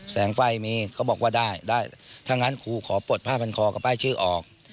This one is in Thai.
แสงไฟมีเขาบอกว่าได้ได้ถ้างั้นครูขอปลดผ้าพันคอกับป้ายชื่อออก